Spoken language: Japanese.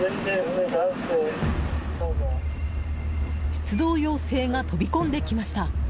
出動要請が飛び込んできました。